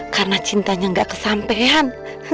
karena cintanya gak kesampean